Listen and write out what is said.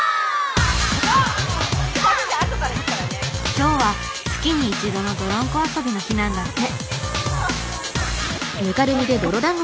今日は月に一度のどろんこ遊びの日なんだって。